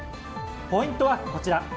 ポイントはこちら。